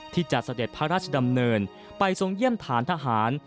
เสด็จพระราชดำเนินไปทรงเยี่ยมฐานทหาร